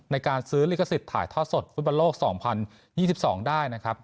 ในการซื้อลิขสิทธิ์ถ่ายทอดสดฟุตบอลโลก๒๐๒๒ได้นะครับ